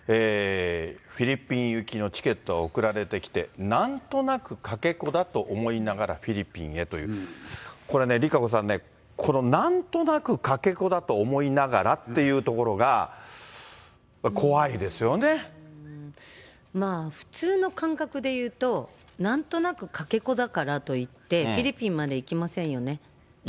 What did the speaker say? フィリピン行きのチケットが送られてきて、なんとなくかけ子だと思いながらフィリピンへという、これね、ＲＩＫＡＣＯさんね、このなんとなくかけ子だと思いながらっていうところが、怖いですまあ、普通の感覚で言うと、なんとなくかけ子だからといって、フィリピンまで行きませんよね。